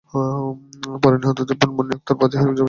পরে নিহতের বোন মুন্নি আক্তার বাদী হয়ে জয়দেবপুর থানায় মামলা করেন।